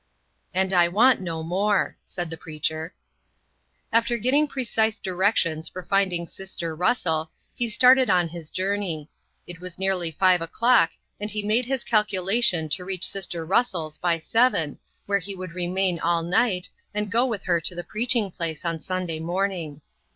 "And I want no more," said the preacher. After getting precise directions for finding sister Russell, he started on his journey. It was nearly five o'clock, and he made his calculation to reach sister Russell's by seven, where he would remain all night, and go with her to the preaching place on Sunday morning.